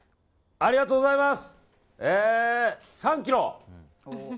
ありがとうございます。